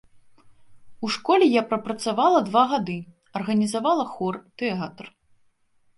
У школе я прапрацавала два гады, арганізавала хор, тэатр.